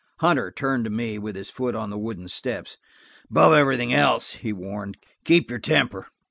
Hunter turned to me, with his foot on the wooden steps. "Above everything else," he warned, "keep your temper.